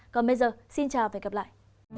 còn bây giờ xin chào và hẹn gặp lại